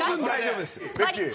ベッキー。